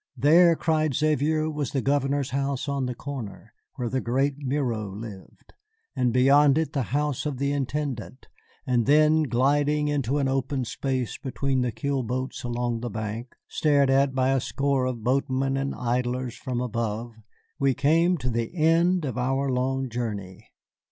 There, cried Xavier, was the Governor's house on the corner, where the great Miro lived, and beyond it the house of the Intendant; and then, gliding into an open space between the keel boats along the bank, stared at by a score of boatmen and idlers from above, we came to the end of our long journey.